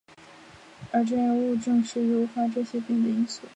而致癌物正是诱发这些变的因素。